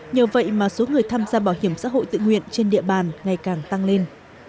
nhờ vậy mà số người tham gia bảo hiểm xã hội tự nguyện trên địa bàn ngày càng tăng lên